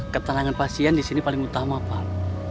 keterangan pasien di sini paling utama pak